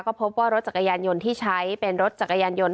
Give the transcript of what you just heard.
ก็พบว่ารถจักรยานยนต์ที่ใช้เป็นรถจักรยานยนต์